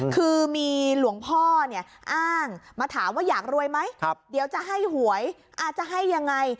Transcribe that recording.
คือมีหลวงพ่อเนี่ยอ้างมาถามว่าอยากรวยไหมเดี๋ยวจะให้หวยอาจจะให้ยังไง